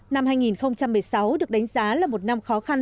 năm hai nghìn một mươi sáu được đánh giá là một năm khó khăn